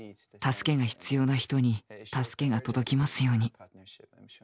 助けが必要な人に助けが届きますように。